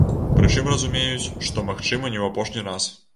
Прычым разумеюць, што, магчыма, не ў апошні раз.